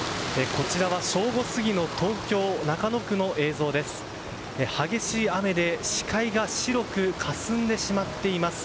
こちらは正午過ぎの東京・中野区の映像です。